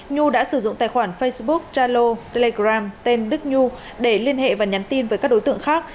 nhu đã sử dụng tài khoản facebook jalo telegram tên đức nhu để liên hệ và nhắn tin với các đối tượng khác